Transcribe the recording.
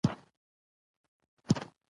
مېلې د ټولني د وحدت او یووالي احساس پیاوړی کوي.